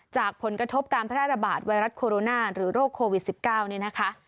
จากผลกระทบการแพร่ระบาดไวรัสโคโรนาหรือโรคโควิด๑๙นี่นะคะ